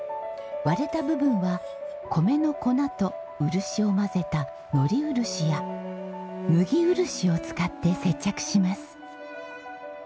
割れた部分は米の粉と漆を混ぜたのり漆や麦漆を使って接着します。